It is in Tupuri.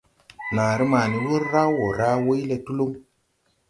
Naaré ma ni wur raw wo raa wuyle Tulum.